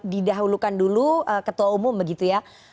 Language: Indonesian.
didahulukan dulu ketua umum begitu ya